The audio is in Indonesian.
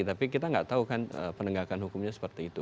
tapi kita gak tau kan penegakan hukumnya seperti itu